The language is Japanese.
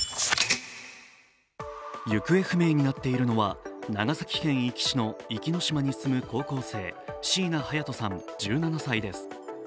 行方不明になっているのは長崎県壱岐市の壱岐島に住む高校生、椎名隼都さん、１７歳です。